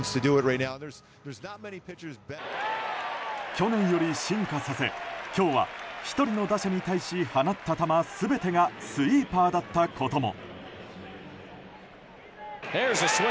去年より進化させ今日は１人の打者に対し放った球全てがスイーパーだったことも。